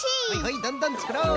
どんどんつくろう！